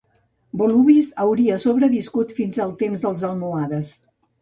Volubilis hauria sobreviscut fins al temps dels almohades.